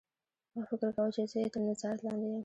ما فکر کاوه چې زه یې تر نظارت لاندې یم